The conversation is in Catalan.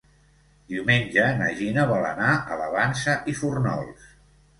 Diumenge na Gina vol anar a la Vansa i Fórnols.